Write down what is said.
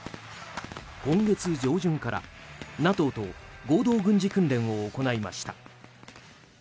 今月上旬からＮＡＴＯと合同軍事訓練を行いました。